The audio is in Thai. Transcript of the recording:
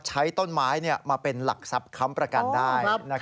ใช้ต้นไม้มาเป็นหลักทรัพย์ค้ำประกันได้